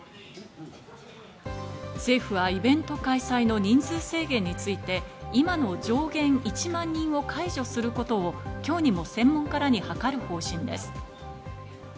政府はイベント開催の人数制限について今の上限１万人を解除することを今日にも専門家らに諮る方針です。